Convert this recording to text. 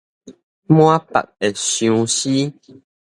滿腹的相思